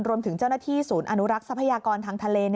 รวมถึงเจ้าหน้าที่ศูนย์อนุรักษ์ทรัพยากรทางทะเล